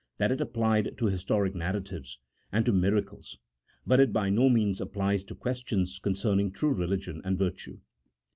that it applied to historic narratives, and to miracles : but it by no means applies to questions concern ing true religion and virtue.